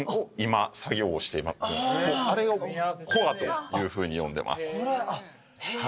あれをコアというふうに呼んでます。